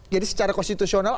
jadi secara konstitusional